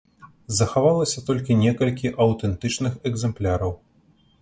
Захавалася толькі некалькі аўтэнтычных экземпляраў.